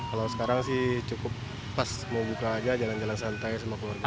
kalau sekarang sih cukup pas mau buka aja jalan jalan santai sama keluarga